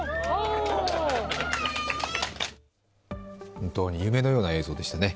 本当に夢のような映像でしたね。